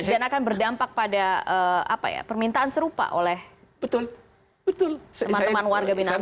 dan akan berdampak pada permintaan serupa oleh teman teman warga binatang lain